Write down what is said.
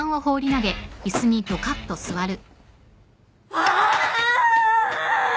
ああ！